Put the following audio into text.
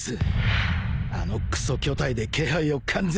あのクソ巨体で気配を完全に消してやがる